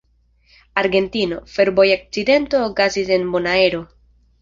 Argentino: Fervoja akcidento okazis en Bonaero.